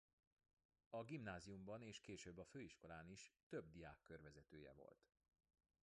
A gimnáziumban és később a főiskolán is több diákkör vezetője volt.